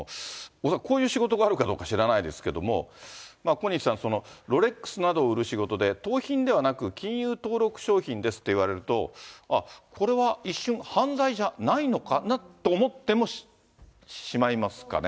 恐らくこういう仕事があるかどうか知らないですけれども、小西さん、ロレックスなどを売る仕事で、盗品ではなく、金融登録商品ですって言われると、ああ、これは一瞬、犯罪じゃないのかなと思ってしまいますかね？